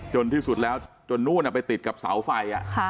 จนที่สุดแล้วจนนู้นอ่ะไปติดกับเสาไฟอ่ะค่ะ